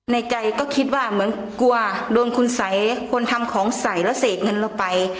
ในใจก็คิดว่าเหมือนกลัวโดนคุณสัยคนทำของใส่แล้วเสกเงินเราไป